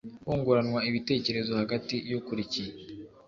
hunguranwa ibitekerezo hagati y ukuriye